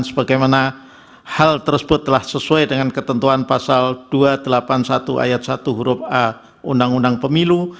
sebagaimana hal tersebut telah sesuai dengan ketentuan pasal dua ratus delapan puluh satu ayat satu huruf a undang undang pemilu